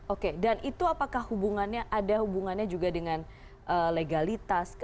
oke dan itu apakah hubungannya ada hubungannya juga dengan legalitas